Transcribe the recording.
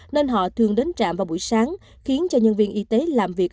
nên họ thường đến trạm vào buổi sáng khiến cho nhân viên y tế làm việc